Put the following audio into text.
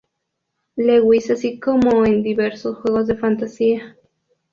Lewis así como en diversos juegos de fantasía.